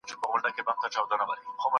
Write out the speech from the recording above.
د رسنیو ډیره برخه شخصي وه.